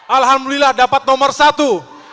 alhamdulillah dapat nomor satu